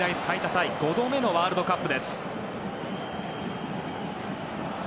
タイ５度目のワールドカップ。